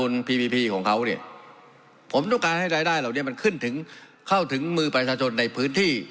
ในวันนี้